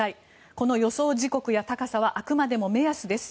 この予想時刻や高さはあくまでも目安です。